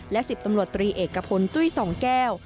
และ๑๐ตำรวจตรีเอกพลจุ้ยสองแก้ว